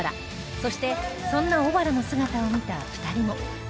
そしてそんな小原の姿を見たひかりも